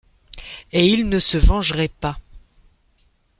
Et il ne se vengerait pas!